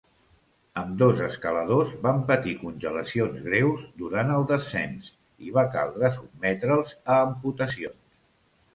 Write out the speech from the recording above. Ambdós escaladors van patir congelacions greus durant el descens i va caldre sotmetre'ls a amputacions.